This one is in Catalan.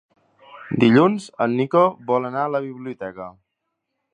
Dilluns en Nico vol anar a la biblioteca.